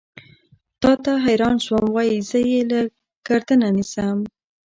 تا ته حېران شوم وائې زۀ يې له ګردنه نيسم